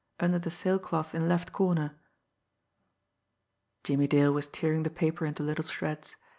under the sail cloth in left corner ..." Jimmie Dale was tearing the paper into little shreds.